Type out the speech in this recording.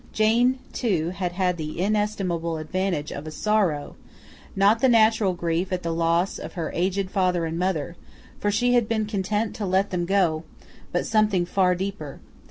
Jane, too, had had the inestimable advantage of a sorrow; not the natural grief at the loss of her aged father and mother, for she had been content to let them go; but something far deeper.